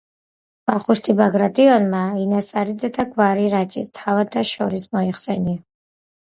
ვახუშტი ბაგრატიონმა ინასარიძეთა გვარი რაჭის თავადთა შორის მოიხსენია.